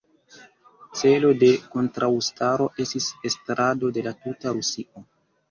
Celo de kontraŭstaro estis estrado de la tuta Rusio.